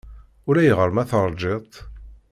Ulayɣer ma teṛjiḍ-t.